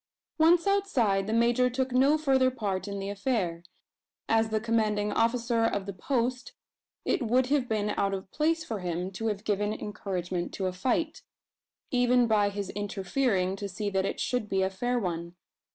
Once outside, the major took no further part in the affair. As the commanding officer of the post, it would have been out of place for him to have given encouragement to a fight even by his interfering to see that it should be a fair one.